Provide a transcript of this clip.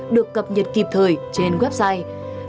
được cập nhật kịp thời trên website